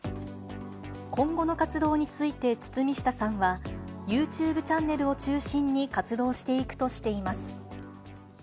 今後の活動について堤下さんは、ＹｏｕＴｕｂｅチャンネルを中心に活動していくとしています。